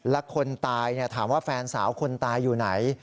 และคนตายถามว่าแฟนสาวคนตายอยู่ไหน